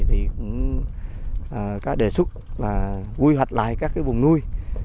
thì cũng có đề xuất là quy hoạch lại các cái vùng nuôi